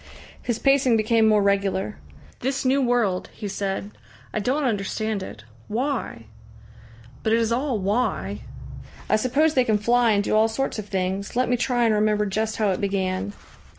His pacing became more regular. "This new world," he said. "I don't understand it. Why? ... But it is all why!" "I suppose they can fly and do all sorts of things. Let me try and remember just how it began."